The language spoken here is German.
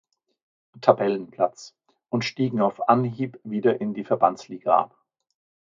Tabellenplatz und stiegen auf Anhieb wieder in die Verbandsliga ab.